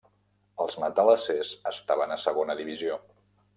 Els matalassers estaven a Segona Divisió.